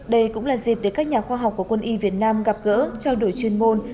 đây cũng là dịp để các nhà khoa học của quân y việt nam gặp gỡ trao đổi chuyên môn